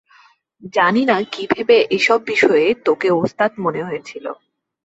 জানি না কী ভেবে এসব বিষয়ে তোকে ওস্তাদ মনে হয়েছিল।